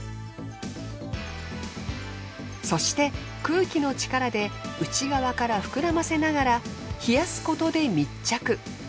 そして空気の力で内側から膨らませながら冷やすことで密着。